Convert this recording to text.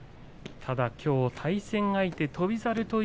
きょう対戦相手は翔猿。